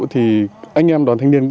thì anh em đoàn thanh niên